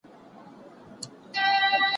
پېژندل یې کورنیو له عمرونو